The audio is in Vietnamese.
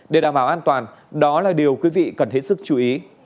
để đảm bảo an toàn đó là điều quý vị cần hết sức chú ý